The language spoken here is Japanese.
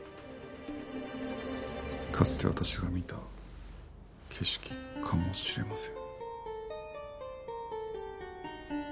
かつて私が見た景色かもしれません。